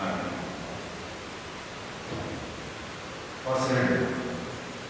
忘れるなよ。